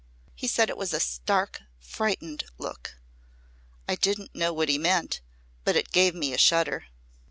He said it was a 'stark, frightened look.' I didn't know what he meant, but it gave me a shudder."